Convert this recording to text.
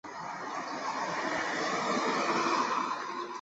马利克称自己从十二岁开始就对自己的外貌感到骄傲。